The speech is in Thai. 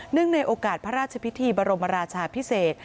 ในโอกาสพระราชพิธีบรมราชาพิเศษ